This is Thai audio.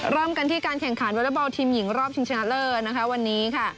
เริ่มกันที่การแข่งขันวอเล็กบอลทีมหญิงรอบชิงชนะเลิศนะคะวันนี้ค่ะ